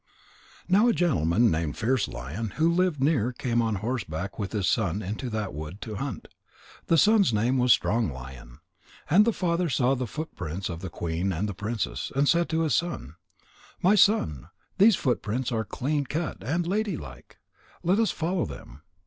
Now a gentleman named Fierce lion who lived near came on horseback with his son into that wood to hunt. The son's name was Strong lion. And the father saw the footprints of the queen and the princess, and he said to his son: "My son, these footprints are clean cut and ladylike. Let us follow them.